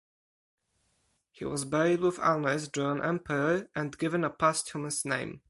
He was buried with honours due an emperor and given a posthumous name.